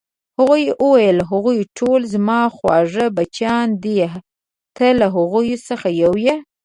هغې وویل: هغوی ټول زما خواږه بچیان دي، ته له هغو څخه یو یې.